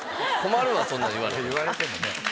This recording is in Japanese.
言われてもね。